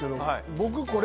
僕これ。